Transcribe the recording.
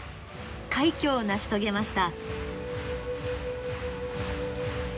快挙を成し遂げました。